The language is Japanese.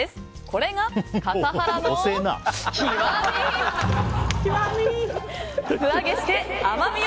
これが笠原の極み。